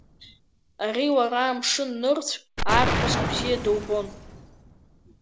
Ари лара амшын нырцә арԥыск бзиа дылбон.